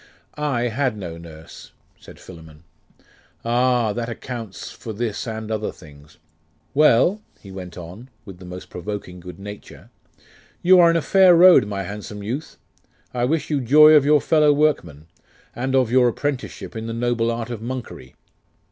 'I had no nurse,' said Philammon. 'Ah! that accounts for this and other things. Well,' he went on, with the most provoking good nature, 'you are in a fair road, my handsome youth; I wish you joy of your fellow workmen, and of your apprenticeship in the noble art of monkery.